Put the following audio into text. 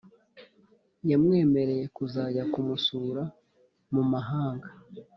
yamwemereye kuzajya kumusura mu mahanga